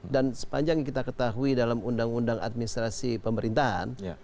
dan sepanjang kita ketahui dalam undang undang administrasi pemerintahan